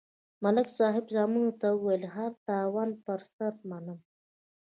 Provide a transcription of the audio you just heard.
ملک صاحب زامنو ته ویل: هر تاوان پر سر منم.